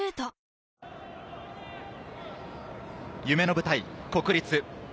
夢の舞台・国立。